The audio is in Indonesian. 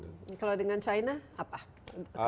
kalau dengan china apa